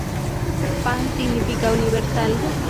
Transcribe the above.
Pan significa Universal.